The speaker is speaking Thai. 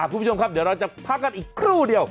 คุณผู้ชมครับเดี๋ยวเราจะพักกันอีกครู่เดียว